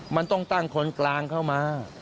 มันต้องตั้งคนกลางเข้ามา